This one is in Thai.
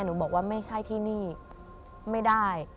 หนูบอกว่าไม่ใช่ที่นี่ไม่ได้